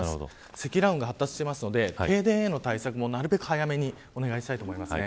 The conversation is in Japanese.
積乱雲が発達していますので停電への対策も、なるべく早めにお願いしたいです。